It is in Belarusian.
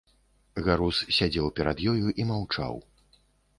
Гарус сядзеў перад ёю і маўчаў.